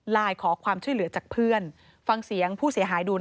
ขอความช่วยเหลือจากเพื่อนฟังเสียงผู้เสียหายดู